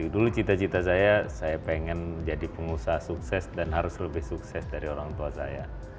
dulu cita cita saya saya pengen jadi pengusaha sukses dan harus lebih sukses dari orang tua saya